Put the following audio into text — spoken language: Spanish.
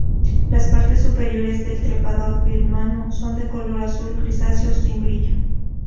Las partes superiores del trepador birmano son de color azul grisáceo, sin brillo.